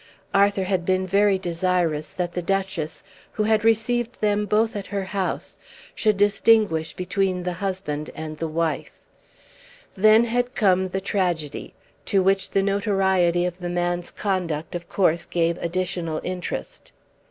Arthur had been very desirous that the Duchess, who had received them both at her house, should distinguish between the husband and the wife. Then had come the tragedy, to which the notoriety of the man's conduct of course gave additional interest.